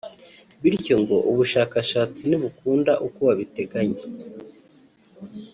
bityo ngo ubushakashatsi ni bukunda uko babiteganya